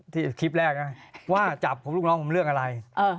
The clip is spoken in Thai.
คลิปแรกนะว่าจับผมลูกน้องผมเรื่องอะไร